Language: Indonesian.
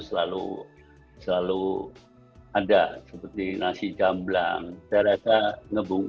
selalu ada seperti nasi jamblang